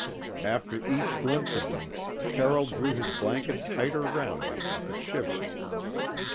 After each glimpse of them, Carroll drew his blanket tighter round him with a shiver.